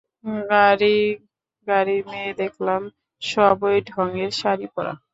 গাড়ী গাড়ী মেয়ে দেখলাম, সব ঐ ঢঙের শাড়ী পরা।